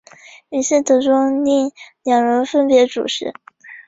于是德宗令二人分别主事。